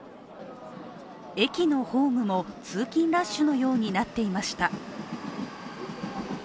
駅のホームも通勤ラッシュのようになっていました。